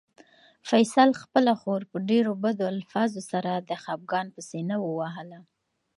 فیصل خپله خور په ډېرو بدو الفاظو سره د خپګان په سېنه ووهله.